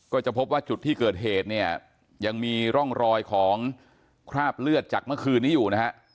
ก็จะพบว่าจุดที่เกิดเหตุเนี่ยยังมีร่องรอยของคราบเลือดจากเมื่อคืนนี้อยู่นะฮะ